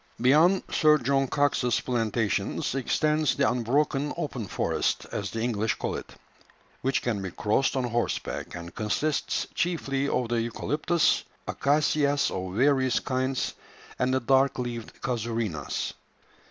Beyond Sir John Cox's plantations extends the unbroken "open forest," as the English call it, which can be crossed on horseback, and consists chiefly of the eucalyptus, acacias of various kinds, and the dark leaved casuarinas.